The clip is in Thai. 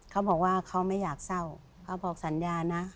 เขาบอกว่าเขาไม่อยากเศร้าเขาบอกสัญญานะ